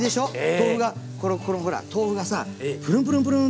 豆腐がこのほら豆腐がさ「プルンプルンプルン！」